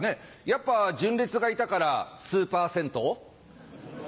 やっぱ純烈がいたからスパセント？